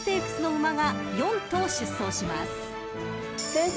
先生